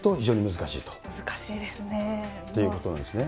難しいですね。ということなんですね。